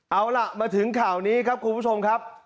เอาล่ะมาถึงข่าวนี้ครับคุณผู้ชมครับ